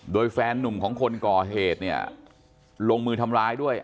โดยแฟนนุ่มของคนก่อเหตุเนี่ยลงมือทำร้ายด้วย